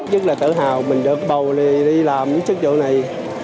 rất là tự hào mình được bầu đi làm những chức vụ này